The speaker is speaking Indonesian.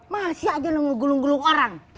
masih aja lu mau gulung gulung orang